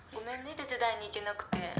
手伝いに行けなくて。